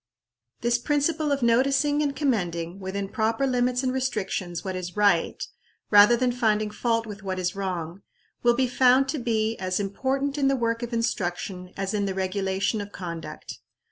This principle of noticing and commending, within proper limits and restrictions, what is right, rather than finding fault with what is wrong, will be found to be as important in the work of instruction as in the regulation of conduct.